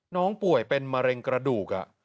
น้องป่วยเป็นมะเร็งกระดูกอ่ะ